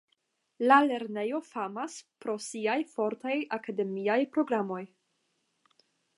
La lernejo famas pro siaj fortaj akademiaj programoj.